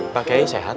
pak ei sehat